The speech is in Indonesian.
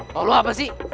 mau lo apa sih